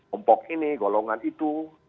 kompok ini golongan itu